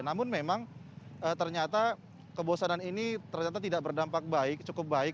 namun memang ternyata kebosanan ini ternyata tidak berdampak baik cukup baik